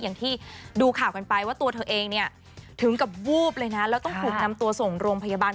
อย่างที่ดูข่าวกันไปว่าตัวเธอเองเนี่ยถึงกับวูบเลยนะแล้วต้องถูกนำตัวส่งโรงพยาบาล